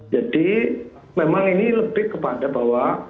jadi memang ini lebih kepada bahwa